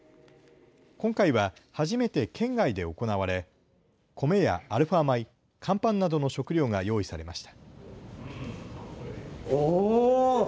今回は初めて県外で行われ米やアルファ米、乾パンなどの食料が用意されました。